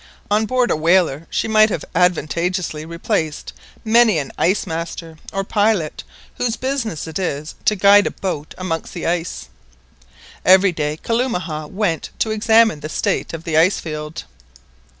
On board a whaler she might have advantageously replaced many an ice master or pilot whose business it is to guide a boat amongst the ice. Every day Kalumah went to examine the state of the ice field.